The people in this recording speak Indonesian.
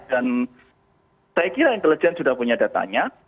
dan saya kira intellegence sudah punya datanya